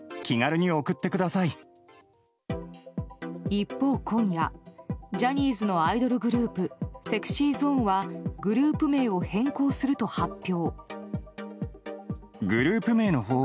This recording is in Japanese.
一方、今夜ジャニーズのアイドルグループＳｅｘｙＺｏｎｅはグループ名を変更すると発表。